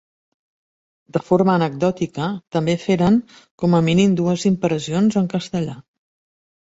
De forma anecdòtica, també feren com a mínim dues impressions en castellà.